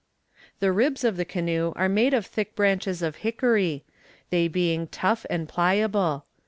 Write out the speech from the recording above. "The ribs of the canoe are made of thick branches of hickory, they being tough and pliable.